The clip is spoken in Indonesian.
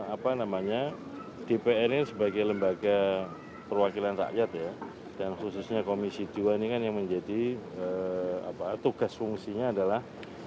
apa namanya dpr ini sebagai lembaga perwakilan rakyat ya dan khususnya komisi dua ini kan yang menjadi tugas fungsinya adalah